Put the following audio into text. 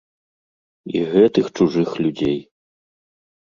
І гэтых чужых людзей.